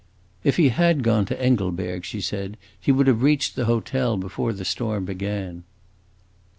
"If he had gone to Engelberg," she said, "he would have reached the hotel before the storm began."